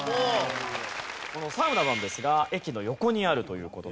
このサウナなんですが駅の横にあるという事なんですね。